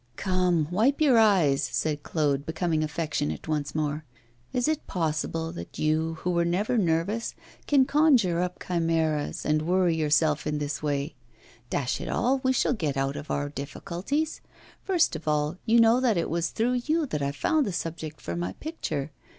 'Come, wipe your eyes,' said Claude, becoming affectionate once more. 'Is it possible that you, who were never nervous, can conjure up chimeras and worry yourself in this way? Dash it all, we shall get out of our difficulties! First of all, you know that it was through you that I found the subject for my picture.